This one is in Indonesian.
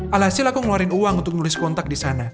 alhasil aku ngeluarin uang untuk nulis kontak di sana